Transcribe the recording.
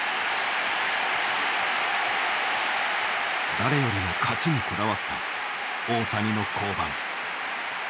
誰よりも勝ちにこだわった大谷の降板。